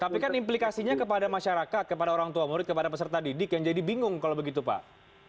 tapi kan implikasinya kepada masyarakat kepada orang tua murid kepada peserta didik yang jadi bingung kalau begitu pak